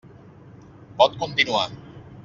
Pot continuar.